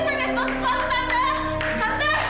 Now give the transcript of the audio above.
tante ini pada yang tau sesuatu tante